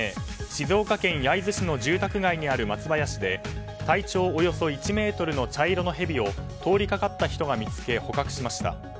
静岡県焼津市の住宅街にある松林で体長およそ１ｍの茶色のヘビを通りかかった人が見つけ捕獲しました。